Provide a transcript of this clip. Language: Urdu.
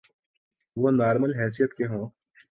وہ نارمل حیثیت کے ہوں۔